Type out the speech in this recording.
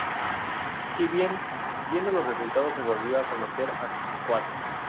Y bien, viendo los resultados, se volvió a someter a cuatro.